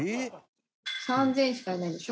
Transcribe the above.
３０００しかいないんでしょ？